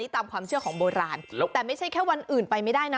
ตามความเชื่อของโบราณแต่ไม่ใช่แค่วันอื่นไปไม่ได้นะ